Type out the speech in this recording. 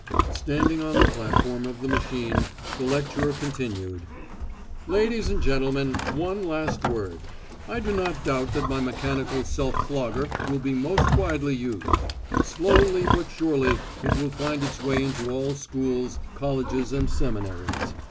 Standing on the platform of the machine, the lecturer continued: "Ladies and gentlemen, one last word. I do not doubt that my mechanical self flogger will be most widely used. Slowly but surely it will find its way into all schools, colleges and seminaries.